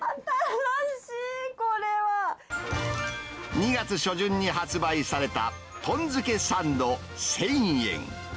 新しい、２月初旬に発売された、豚漬けサンド１０００円。